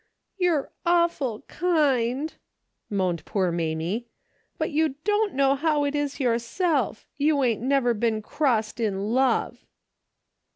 " You're awful kind," moaned poor Mamie. " But you don't know how it is yourself. Y^ou ain't never been crossed in love."